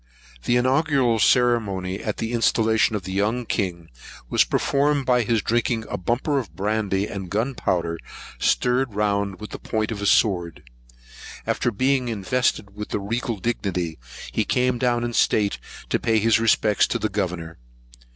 The inaugural ceremony at the installation of the young king, was performed by his drinking a bumper of brandy and gunpowder, stirred round with the point of a sword. After being invested with the regal dignity, he came down in state, to pay his respects to the governor.